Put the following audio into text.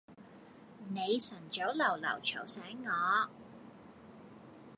你晨早流流嘈醒我